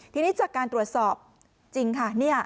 ทีนี้จากการตรวจสอบจริงค่ะ